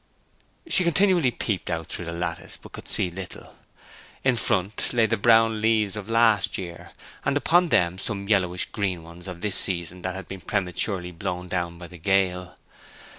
She continually peeped out through the lattice, but could see little. In front lay the brown leaves of last year, and upon them some yellowish green ones of this season that had been prematurely blown down by the gale.